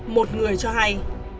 một người cho hay